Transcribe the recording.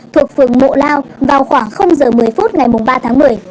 thuộc phường mộ lao vào khoảng giờ một mươi phút ngày ba tháng một mươi